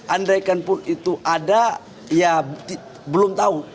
andaikan pun itu ada ya belum tahu